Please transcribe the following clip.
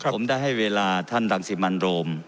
ผมได้ให้เวลาท่านรังสิมันโรม